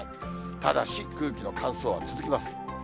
ただし空気の乾燥は続きます。